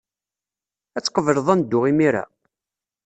Ad tqebleḍ ad neddu imir-a?